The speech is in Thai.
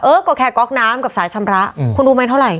ก็แค่ก๊อกน้ำกับสายชำระคุณรู้ไหมเท่าไห